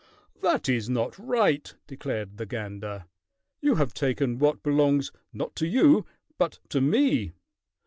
"That is not right," declared the gander. "You have taken what belongs not to you but to me.